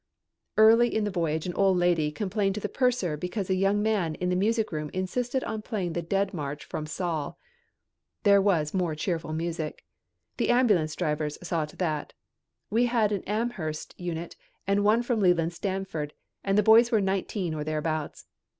Early in the voyage an old lady complained to the purser because a young man in the music room insisted on playing the Dead March from "Saul." There was more cheerful music. The ambulance drivers saw to that. We had an Amherst unit and one from Leland Stanford and the boys were nineteen or thereabouts.